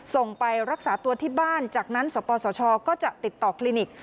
ส่งไปรักษาตัวที่บ้านจากนั้นสปสชก็จะติดต่อคลินิก